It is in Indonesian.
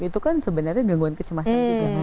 itu kan sebenarnya gangguan kecemasan juga